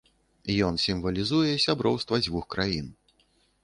Ён сімвалізуе сяброўства дзвюх краін.